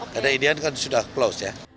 karena india kan sudah close ya